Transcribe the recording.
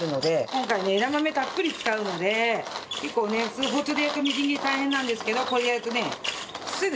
今回ね枝豆たっぷり使うので結構ね包丁でやるとみじん切り大変なんですけどこれでやるとねすぐできちゃう。